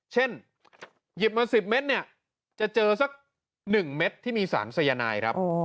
เช่นหยิบมา๑๐เม็ดจะเจอสัก๑เม็ดที่มีสารสยนาย